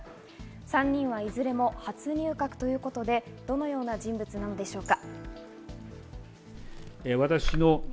３人はいずれも初入閣ということでどのような人物なのでしょうか。